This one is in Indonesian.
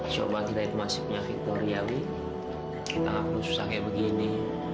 coba kita masih punya victoria wih kita aku susah kayak begini